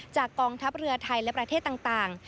กองทัพเรือไทยและประเทศต่าง